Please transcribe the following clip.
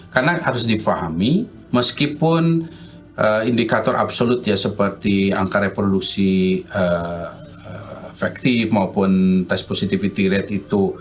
karena harus difahami meskipun indikator absolut seperti angka reproduksi efektif maupun test positivity rate itu